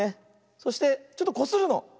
そしてちょっとこするの。